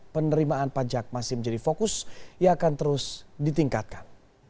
penerimaan pajak masih menjadi fokus yang akan terus ditingkatkan